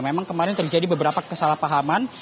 memang kemarin terjadi beberapa kesalahpahaman